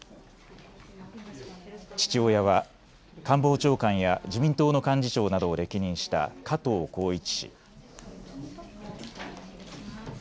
父親は官房長官や自民党の幹事長などを歴任した加藤紘一氏。